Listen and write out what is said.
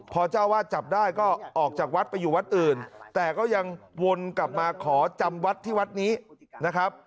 พอเจ้าวาดจับได้ก็ออกจากวัดไปอยู่วัดอื่นแต่ก็ยังวนกลับมาขอจำวัดที่วัดนี้นะครับ